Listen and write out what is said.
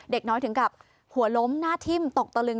เด็กน้อยถึงกับหัวล้มหน้าทิ่มตกตะลึง